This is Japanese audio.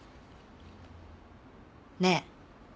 ねえ。